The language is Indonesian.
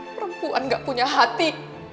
perempuan gak punya hati